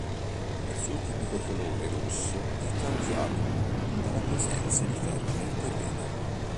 Il suo tipico colore rosso è causato dalla presenza di ferro nel terreno.